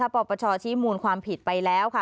ปปชชี้มูลความผิดไปแล้วค่ะ